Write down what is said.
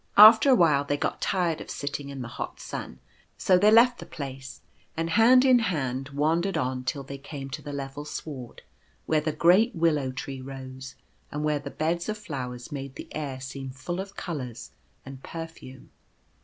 After a while they got tired of sitting in the hot sun ; so they left the place, and, hand in hand, wandered on till they came to the level sward where the great Willow tree rose, and where the beds of flowers made the air seem full of colours and perfume.